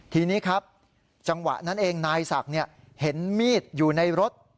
ทีนี้ครับจังหวะนั้นเองนายศักดิ์เห็นมีดอยู่ในรถ